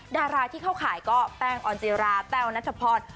ดาราที่เข้าข่ายก็แป้งออนจิราแต้วนัทพร